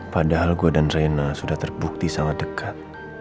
padahal gue dan reyna sudah terbukti sangat dekat